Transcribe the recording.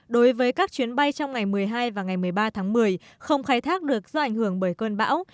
đối với các chuyến bay trong ngày một mươi hai và ngày một mươi ba tháng một mươi không khai thác được do ảnh hưởng bởi cơn bão